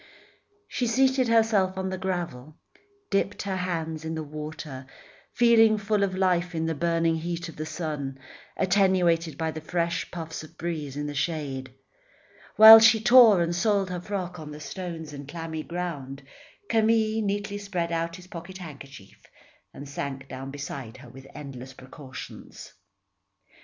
She seated herself on the gravel, dipped her hands in the water, feeling full of life in the burning heat of the sun, attenuated by the fresh puffs of breeze in the shade. While she tore and soiled her frock on the stones and clammy ground, Camille neatly spread out his pocket handkerchief and sank down beside her with endless precautions.